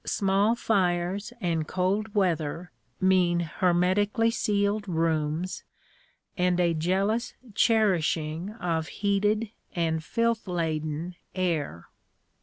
Small fires and cold weather mean hermetically sealed rooms and a jealous cherishing of heated and filth laden air.